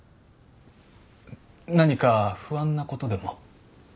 何か不安な事でも？